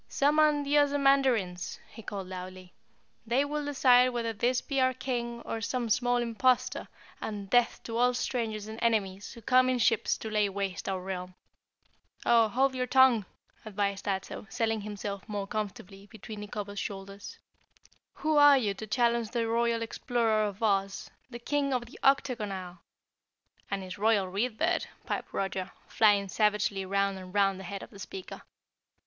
"Summon the Ozamandarins," he called loudly. "They will decide whether this be our King or some small Impostor, and DEATH to all strangers and enemies who come in ships to lay waste our realm." "Oh, hold your tongue!" advised Ato, settling himself more comfortably between Nikobo's shoulders. "Who are you to challenge the Royal Explorer of Oz, the King of the Octagon Isle " "And his Royal Read Bird," piped Roger, flying savagely round and round the head of the speaker.